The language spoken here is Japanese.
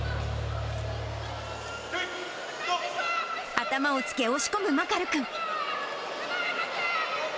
頭をつけ、押し込むマカル君。